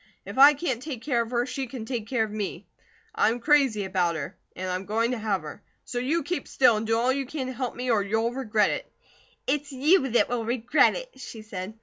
If I can't take care of her, she can take care of me. I am crazy about her, an' I'm going to have her; so you keep still, an' do all you can to help me, or you'll regret it." "It's you that will regret it!" she said.